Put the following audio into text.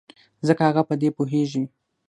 ځکه هغه په دې پوهېږي.